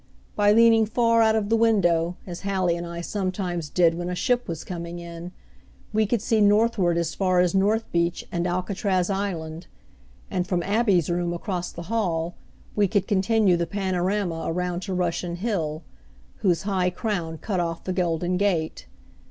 By leaning far out of the window, as Hallie and I sometimes did when a ship was coming in, we could see northward as far as North Beach, and Alcatraz Island; and from Abby's room across the hall we could continue the panorama around to Russian Hill, whose high crown cut off the Golden Gate.